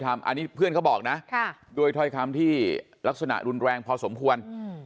อันนี้เพื่อนเขาบอกนะด้วยถ้อยคำที่ลักษณะรุนแรงพอสมควร